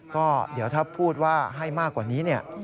ก็เดี๋ยวถ้าพูดว่าให้มากกว่านี้เนี่ย